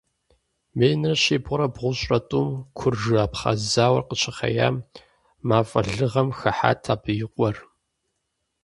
Минрэ щибгъурэ бгъущӀрэ тӀум, куржы-абхъаз зауэр къыщыхъеям, мафӀэ лыгъэм хыхьат абы и къуэр.